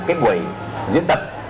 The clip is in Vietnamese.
cái buổi diễn tập